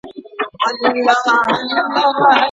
په لاس لیکل د ژوند د ښکلاګانو انځورول دي.